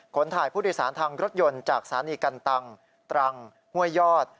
ขนถ่ายผู้โดยสารต่อทางรถยนต์จากสถานีกันตังกรุงเทพฯตรังกรุงเทพฯห้วยยอด